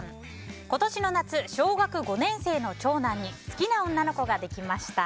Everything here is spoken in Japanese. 今年の夏、小学５年生の長男に好きな女の子ができました。